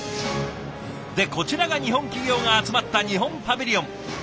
でこちらが日本企業が集まった日本パビリオン。